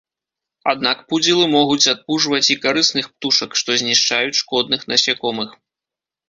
Аднак пудзілы могуць адпужваць і карысных птушак, што знішчаюць шкодных насякомых.